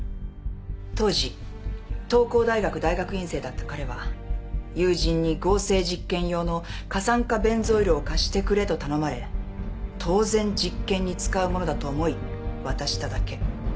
当時東光大学大学院生だった彼は「友人に合成実験用の過酸化ベンゾイルを貸してくれと頼まれ当然実験に使うものだと思い渡しただけ。